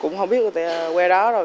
cũng không biết quay đó rồi